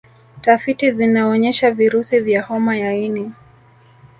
Tafiti zinaonyesha virusi vya homa ya ini